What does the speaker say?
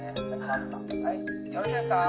よろしいですか？